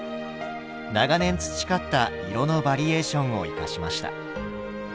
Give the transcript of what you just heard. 長年培った色のバリエーションを生かしました。